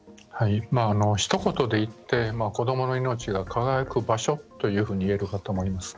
ひと言で言って子どもの命が輝く場所といえるかと思います。